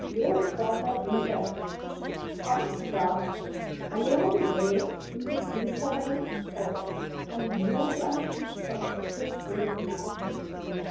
Old Father Winter is half starved, alone there in his miserable hovel; and no one thinks of the good old man.